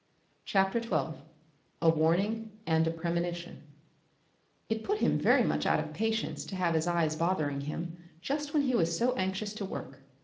CHAPTER XII A WARNING AND A PREMONITION It put him very much out of patience to have his eyes bothering him just when he was so anxious to work.